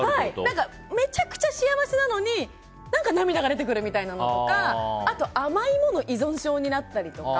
めちゃくちゃ幸せなのに何か涙が出てくるとかあとは甘いもの依存症になったりとか。